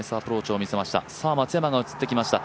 さあ松山が映ってきました。